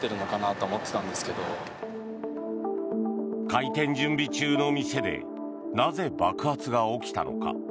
開店準備中の店でなぜ爆発が起きたのか。